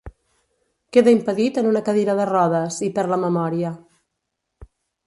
Queda impedit en una cadira de rodes i perd la memòria.